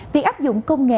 việc áp dụng công nghiệp